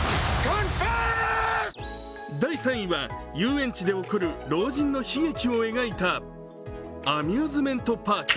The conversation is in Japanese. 第３位は遊園地で起こる老人の悲劇を描いた「アミューズメント・パーク」。